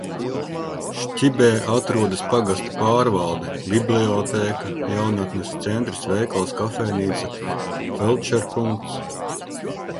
Šķibē atrodas pagasta pārvalde, bibliotēka, jaunatnes centrs, veikals, kafejnīca, feldšerpunkts.